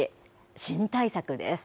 新対策です。